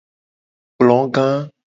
Ekplo ga.